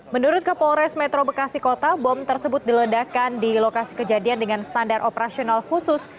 menurut kapolres metro bekasi kota bom tersebut diledakan di lokasi kejadian dengan standar operasional khusus